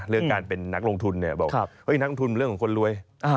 เรื่องการเป็นนักลงทุนบอกนักลงทุนเป็นเรื่องของคนรวย